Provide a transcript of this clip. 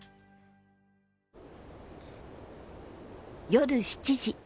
夜７時。